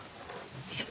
よいしょ。